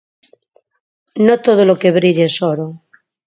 No todo lo que brilla es oro